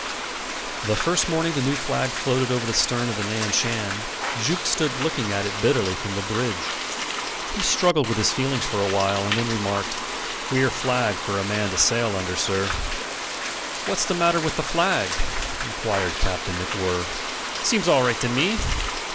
The first morning the new flag floated over the stern of the Nan Shan Jukes stood looking at it bitterly from the bridge. He struggled with his feelings for a while, and then remarked, "Queer flag for a man to sail under, sir." "What's the matter with the flag?" inquired Captain MacWhirr. "Seems all right to me."